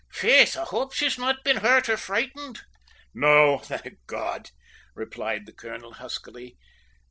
"Faith, I hope she's not been hurt or frightened?" "No, thank God!" replied the colonel huskily.